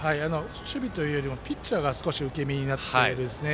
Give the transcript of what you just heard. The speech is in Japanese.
守備というよりピッチャーが少し受け身になってるんですね。